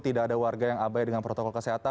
tidak ada warga yang abai dengan protokol kesehatan